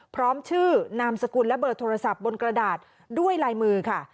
พร้อมชื่อนามสกุลและเบอร์โทรศัพท์บนกระดาษด้วยลายมือค่ะ